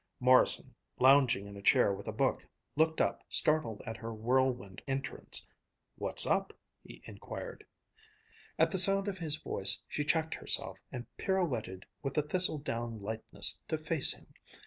Morrison, lounging in a chair with a book, looked up, startled at her whirlwind entrance. "What's up?" he inquired. At the sound of his voice, she checked herself and pirouetted with a thistle down lightness to face him.